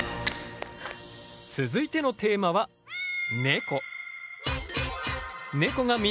続いてのテーマはネコ。